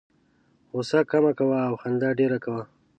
غوسه کمه کوه او خندا ډېره کوه.